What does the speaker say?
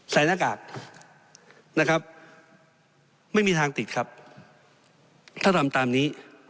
หน้ากากนะครับไม่มีทางติดครับถ้าทำตามนี้